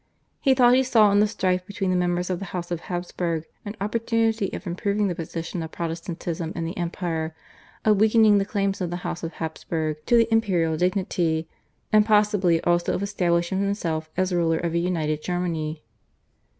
He thought he saw in the strife between the members of the House of Habsburg an opportunity of improving the position of Protestantism in the empire, of weakening the claims of the House of Habsburg to the imperial dignity, and possibly also of establishing himself as ruler of a united Germany.